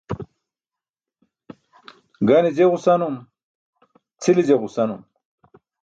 Gane je ġusanum, cʰile je ġusanum.